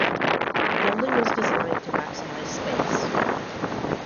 The building was designed to maximize space.